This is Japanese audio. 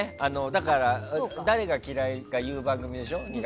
だから誰が嫌いか言う番組でしょ。